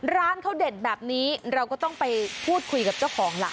ร้านเขาเด็ดแบบนี้เราก็ต้องไปพูดคุยกับเจ้าของล่ะ